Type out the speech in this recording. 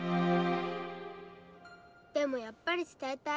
でもやっぱり伝えたい。